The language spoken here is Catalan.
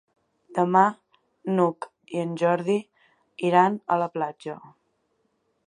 Demà n'Hug i en Jordi iran a la platja.